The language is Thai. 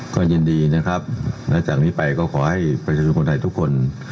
ก็ยินดีนะครับและจากนี้ไปก็ขอให้ประชาชนคนไทยทุกคน